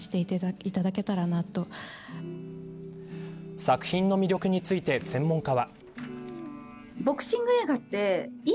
作品の魅力について専門家は。